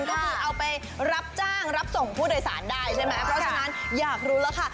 ก็คือเอาไปรับจ้างรับส่งผู้โดยสารได้ใช่ไหมเพราะฉะนั้นอยากรู้แล้วค่ะ